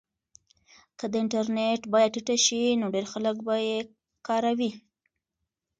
که د انټرنیټ بیه ټیټه شي نو ډېر خلک به یې کاروي.